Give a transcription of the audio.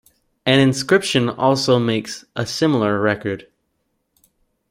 An inscription also makes a similar record.